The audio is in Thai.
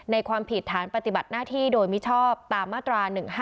ในความผิดฐานปฏิบัตินาที่โดยมภาพมิชชอบตามมาตร๑๕๗